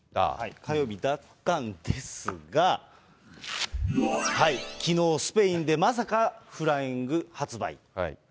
火曜日だったんですが、きのう、スペインでまさか、フライング発売。